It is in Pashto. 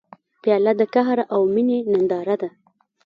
پیاله د قهر او مینې ننداره ده.